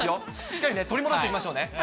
しっかり取り戻していきましょうね。